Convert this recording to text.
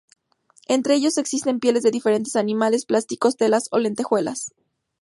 Entre ellos existen pieles de diferentes animales, plásticos, telas o lentejuelas.